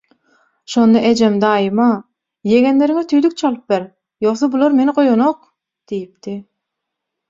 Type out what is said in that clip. Şonda ejem, daýyma «Ýegenleriňe tüýdük çalyp ber, ýogsa bular meni goýanok» diýipdi.